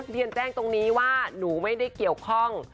เรียนแจ้งตรงนี้ว่าหนูไม่ได้เกี่ยวข้อง